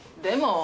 でも。